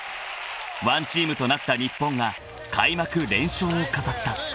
［ワンチームとなった日本が開幕連勝を飾った］